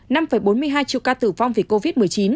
năm bốn mươi hai triệu ca tử vong vì covid một mươi chín